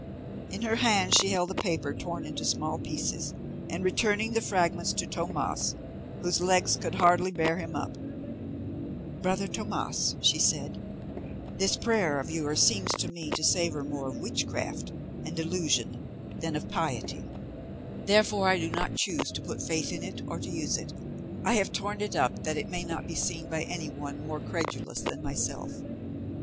In her hand she held the paper torn into small pieces, and returning, the fragments to Tomas, whose legs could hardly bear him up, "Brother Tomas," she said, "this prayer of yours seems to me to savour more of witchcraft and delusion than of piety, therefore I do not choose to put faith in it or to use it, and I have torn it up that it may not be seen by any one more credulous than myself.